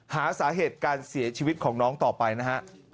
หาสาเหตุการเสียชีวิตของน้องต่อไปนะฮะ